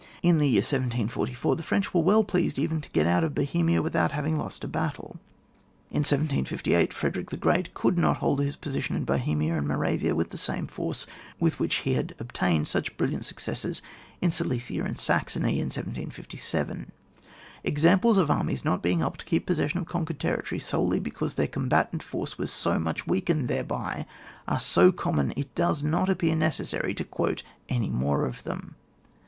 In the year 1744 the French were very well pleased even to get out of Bohemia without having lost a battle. In 1768 Frederick the Great could not hold his position in Bohemia and Moravia with the same force with which he had obtained such brilLiant successes in Silesia and Saxony in 1757. Examples of armies not being able to keep possession of conquered territory solely because their combatant force was so much weakened thereby, are so com mon that it does not appear necessary to quote any more of them.